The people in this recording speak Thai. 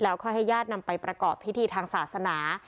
ค่อยให้ญาตินำไปประกอบพิธีทางศาสนา